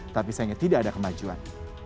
tapi sayangnya tidak ada kemajuan